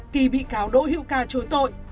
kỳ bị cáo độ hiệu ca trôi tội